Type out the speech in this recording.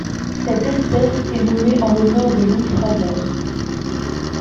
Cette espèce est nommée en l'honneur de Louis Fraser.